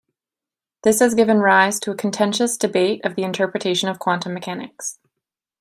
This has given rise to a contentious debate of the interpretation of quantum mechanics.